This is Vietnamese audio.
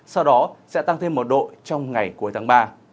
sau đó sẽ tăng thêm một độ trong ngày cuối tháng ba